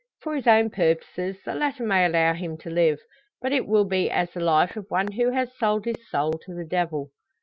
For his own purposes the latter may allow him to live; but it will be as the life of one who has sold his soul to the devil!